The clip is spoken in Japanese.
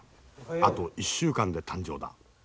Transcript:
あと１週間で誕生だ。